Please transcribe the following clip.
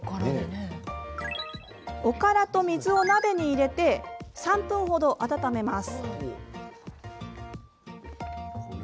おからと水を鍋に入れて３分ほど温めます。